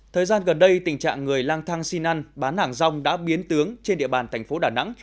thời gian gần đây tình trạng người lang thang xin ăn bán hàng rong đã biến tướng trên địa bàn thành phố đà nẵng